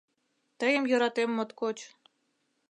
Тыйым йӧратем моткоч.